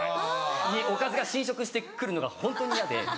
おかずが侵食して来るのがホントにイヤで。